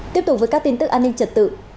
tiếp tục với các tin tức an ninh trật tự